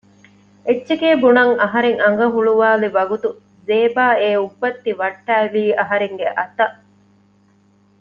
އެއްޗެކޭ ބުނަން އަހަރެން އަނގަ ހުޅުވއިލި ވަގުތު ޒޭބާ އެ އުއްބައްތި ވައްޓައިލީ އަހަރެންގެ އަތަށް